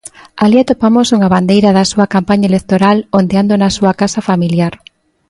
Alí atopamos unha bandeira da súa campaña electoral ondeando na súa casa familiar.